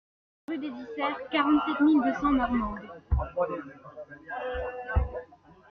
Rue des Isserts, quarante-sept mille deux cents Marmande